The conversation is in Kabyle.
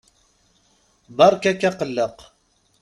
Beṛka-k aqelleq.